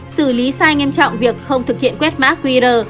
xử lý sai nghiêm trọng việc không thực hiện quét mã qr